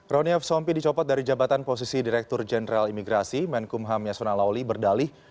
roni f sompi dicopot dari jabatan posisi direktur jenderal imigrasi menkumham yasona lawli berdalih